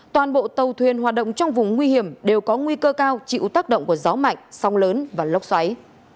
toàn bộ tàu thuyền hoạt động trong vùng nguy hiểm đều có nguy cơ cao chịu tác động của gió mạnh sóng lớn và lốc xoáy